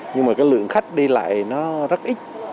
nhưng mà cái lượng khách đi lại nó rất ít